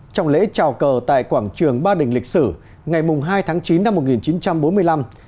trong lễ trào cờ tại quảng trường ba đình lịch sử ngày hai tháng chín năm một nghìn chín trăm bốn mươi năm